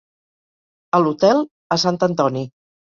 A l'hotel a Sant Antoni.